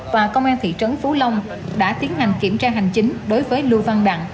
và công an thị trấn phú long đã tiến hành kiểm tra hành chính đối với lưu văn đặng